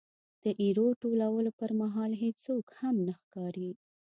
د ایرو ټولولو پرمهال هېڅوک هم نه ښکاري.